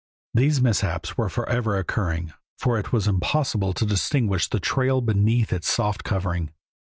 These mishaps were forever occurring, for it was impossible to distinguish the trail beneath its soft covering.